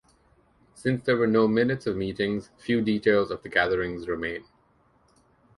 Since there were no minutes of meetings, few details of the gatherings remain.